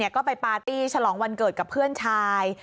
ก็ไปปาร์ตี้ฉลองวันเกิดกับเพื่อนชาย